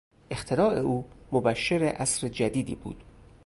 اختراع او مبشر عصر جدیدی بود.